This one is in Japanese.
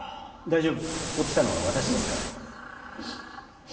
大丈夫落ちたのは私ですから。